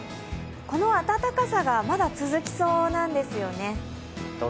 この暖かさがまだ続きそうなんですよね。